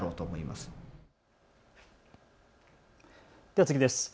では次です。